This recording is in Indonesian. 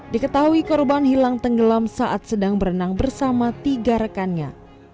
diketahui korban hilang tenggelam saat sedang berenang bersama tiga rekannya